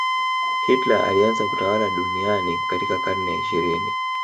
hitler alianza kutawala duniani katika karne ya ishirini